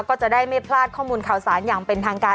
ก็จะได้ไม่พลาดข้อมูลข่าวสารอย่างเป็นทางการ